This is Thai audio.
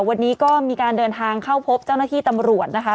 วันนี้ก็มีการเดินทางเข้าพบเจ้าหน้าที่ตำรวจนะคะ